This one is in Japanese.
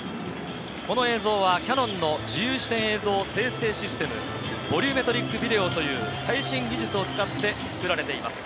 この映像はキヤノンの自由視点映像生成システム、ボリュメトリックビデオという最新技術を使って作られています。